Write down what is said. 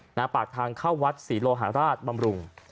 หน้าปากทางเข้าวัดศรีโลหาราชบำรุง